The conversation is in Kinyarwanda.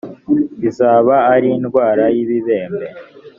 izaba ari indwara y ibibembe